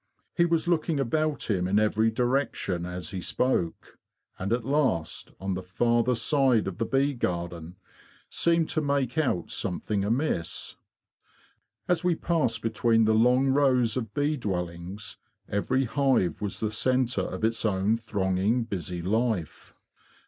He was looking about him in every direction as he spoke; and at last, on the farther side of the bee garden, seemed to make out something amiss. As we passed between the long rows of bee dwellings every hive was the centre of its own thronging busy life.